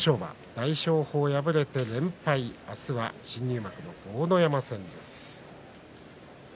大翔鵬は敗れて連敗明日は新入幕の豪ノ山戦です。